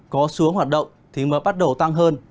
có xu hướng hoạt động thì mưa bắt đầu tăng hơn